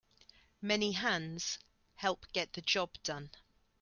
Many hands help get the job done.